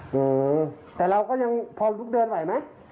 ฮือแต่เรายังพอลุกเลิกเดินไหวไหม